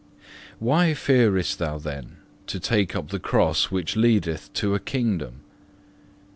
2. Why fearest thou then to take up the cross which leadeth to a kingdom?